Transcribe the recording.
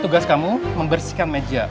tugas kamu membersihkan meja